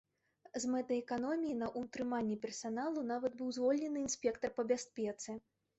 З мэтай эканоміі на ўтрыманні персаналу нават быў звольнены інспектар па бяспецы.